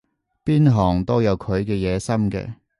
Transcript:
邊行都有佢嘅野心嘅